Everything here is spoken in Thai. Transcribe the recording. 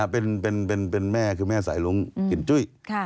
เป็นแม่คือแม่สายรุ้งกินจุ้ย